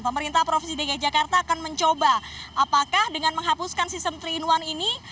pemerintah provinsi dki jakarta akan mencoba apakah dengan menghapuskan sistem tiga in satu ini